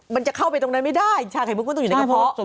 มันจะเข้าไปตรงนั้นไม่ได้ชาไข่มุกก็ต้องอยู่ในกระเพาะ